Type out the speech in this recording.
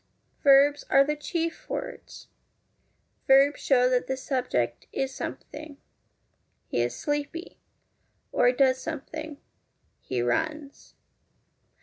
Verbs are the chief words. Verbs show that the subject is something He is sleepy ; or does something He runs.